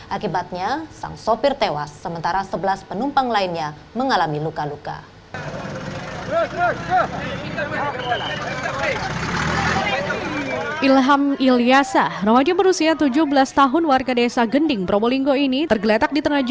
akibatnya sang sopir tewas sementara sebelas penumpang lainnya mengalami luka luka